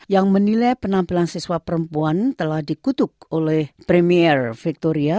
yang menilai penampilan siswa perempuan telah dikutuk oleh premier victoria